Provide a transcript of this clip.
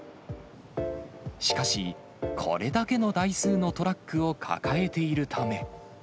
しかしこれだけの台数のトラックを抱えているため。